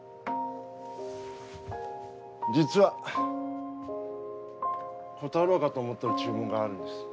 実は断ろうかと思っとる注文があるんです。